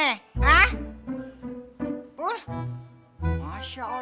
tidak ada satupun yang datang kecuali pak ustadz jakaria